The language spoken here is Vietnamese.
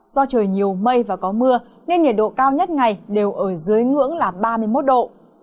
do trời nhiều mây và có mưa nên nhiệt độ cao nhất ngày đều ở dưới ngưỡng là ba mươi một độ